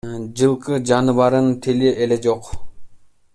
Жылкы жаныбарынын тили эле жок.